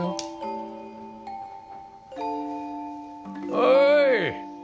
おい！